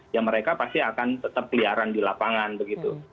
ya mereka pasti akan tetap peliaran di lapangan begitu